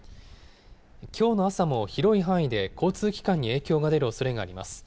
きょうの朝も広い範囲で交通機関に影響が出るおそれがあります。